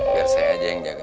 biar saya aja yang jaga